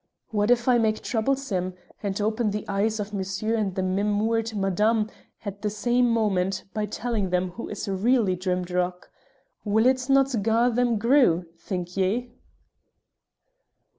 What if I make trouble, Sim, and open the eyes of Monsher and the mim mou'ed Madame at the same moment by telling them who is really Drimdarroch? Will it no' gar them Grue, think ye?"